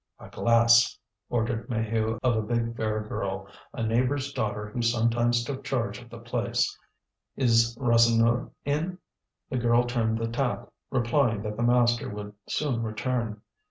"A glass," ordered Maheu of a big fair girl, a neighbour's daughter who sometimes took charge of the place. "Is Rasseneur in?" The girl turned the tap, replying that the master would soon return.